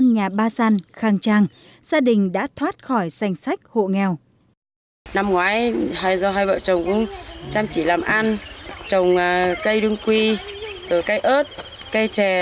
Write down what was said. năm ngoái do hai vợ chồng cũng chăm chỉ làm ăn trồng cây đương quy cây ớt cây trè